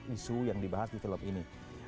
isu yang dibahas di film ini